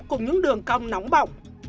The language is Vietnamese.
cùng những đường cong nóng bỏng